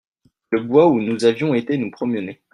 le bois où nous avions été nous promener.